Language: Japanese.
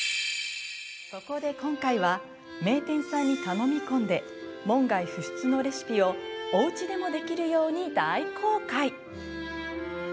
そこで今回は名店さんに頼み込んで門外不出のレシピをおうちでもできるように大公開。